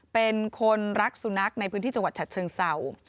เป็นคนรักสุนัขในพื้นที่จังหวัดฉัดเชิงเศร้า